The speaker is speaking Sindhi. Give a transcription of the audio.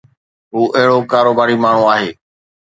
هو اهڙو ڪاروباري ماڻهو آهي.